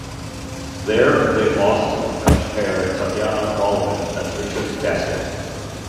There, they lost to the French pair Tatiana Golovin and Richard Gasquet.